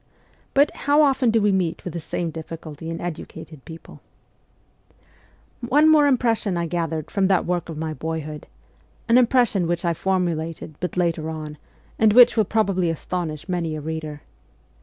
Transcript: But, how often do we meet with the same difficulty in educated people ! One more impression I gathered from that work of my boyhood an impression which I formulated but later on, and which will probably astonish many a reader.